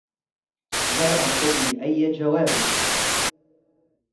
لا أرتدي أي جوارب.